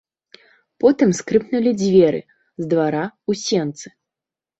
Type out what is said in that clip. Потым скрыпнулі дзверы з двара ў сенцы.